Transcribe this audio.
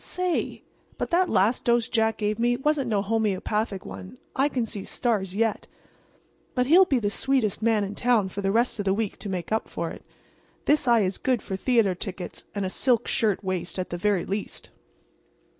Say! but that last dose Jack gave me wasn't no homeopathic one. I can see stars yet. But he'll be the sweetest man in town for the rest of the week to make up for it. This eye is good for theater tickets and a silk shirt waist at the very least."